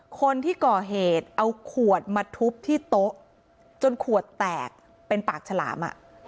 คนที่ก่อเหตุเอาขวดมาทุบที่โต๊ะจนขวดแตกเป็นปากฉลาม